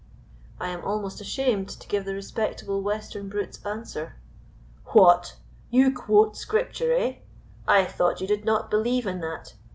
I am almost ashamed to give the respectable western brute's answer. "What! you quote Scripture, eh? I thought you did not believe in that.